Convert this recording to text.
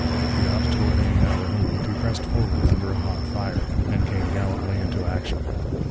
The obstacle being now removed, he pressed forward under a hot fire, and came gallantly into action.